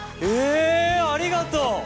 えーっありがとう！